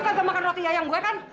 lu kagak makan roti yayang gua kan